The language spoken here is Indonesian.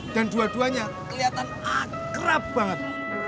dan dua duanya keliatan akrab banget